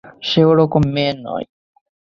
সে ওরকম মেয়ে নয়।